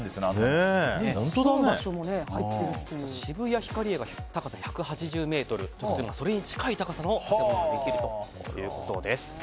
ヒカリエが高さ１８０ｍでそれに近い高さの建物ができるということです。